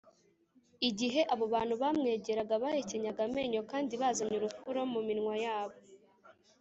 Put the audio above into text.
igihe abo bantu bamwegeraga bahekenyaga amenyo kandi bazanye urufuro mu minwa yabo